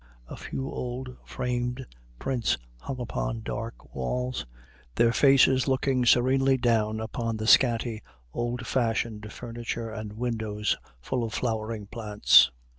A few old framed prints hung upon dark walls, their faces looking serenely down upon the scanty, old fashioned furniture and windows full of flowering plants.